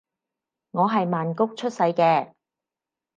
我係曼谷出世嘅